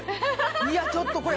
いやちょっとこれ。